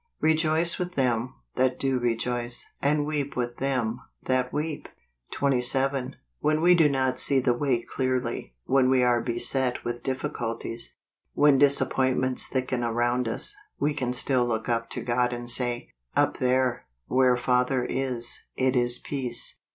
" Rejoice with them that do rejoice , and weep with them that weep." 27. When we do not see the way clearly; when we are beset w T ith difficulties; when disappointments thicken around us, we can still look up to God and say, " Up there, where Father is, it is peace."